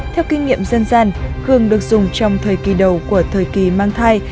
theo kinh nghiệm dân gian hường được dùng trong thời kỳ đầu của thời kỳ mang thai